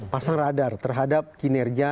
pasang radar terhadap kinerja